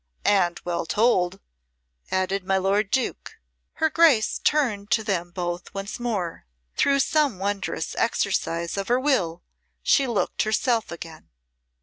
"And well told," added my lord Duke. Her Grace turned to them both once more. Through some wondrous exercise of her will she looked herself again.